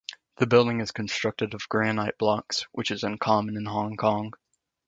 The building is constructed of granite blocks, which is uncommon in Hong Kong.